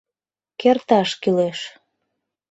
— Керташ кӱлеш.